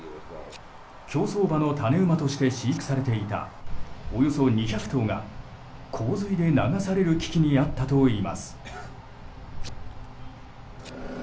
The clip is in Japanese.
競走馬の種馬として飼育されていたおよそ２００頭が洪水で流される危機にあったといいます。